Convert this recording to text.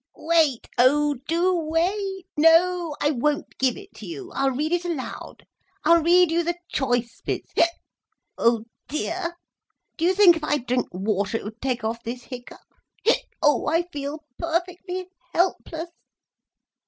"Wait—oh do wait! No o, I won't give it to you, I'll read it aloud. I'll read you the choice bits,—hic! Oh dear! Do you think if I drink water it would take off this hiccup? Hic! Oh, I feel perfectly helpless."